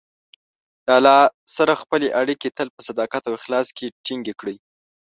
د الله سره خپلې اړیکې تل په صداقت او اخلاص کې ټینګې کړئ.